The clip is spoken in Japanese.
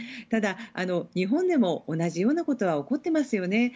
ただ、日本でも同じようなことは起こってますよね。